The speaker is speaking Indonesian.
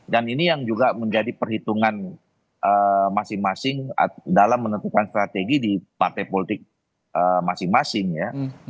dan ini yang juga menjadi perhitungan masing masing dalam menentukan strategi di partai politik masing masing ya